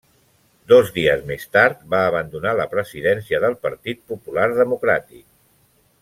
Dos dies més tard va abandonar la presidència del Partit Popular Democràtic.